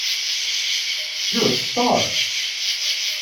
You're a Star!.